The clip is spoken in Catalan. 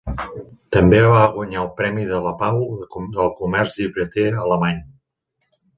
També va guanyar el Premi de la Pau del Comerç Llibreter Alemany.